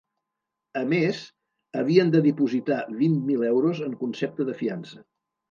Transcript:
A més, havien de dipositar vint mil euros en concepte de fiança.